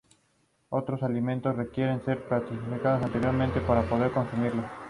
La región consiste de pastos, dehesas, desiertos y montañas.